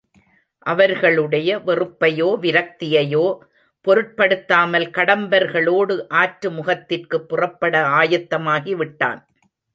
அவர்களுடைய வெறுப்பையோ, விரக்தியையோ பொருட்படுத்தாமல் கடம்பர்களோடு ஆற்று முகத்திற்குப் புறப்பட ஆயத்தமாகிவிட்டான்.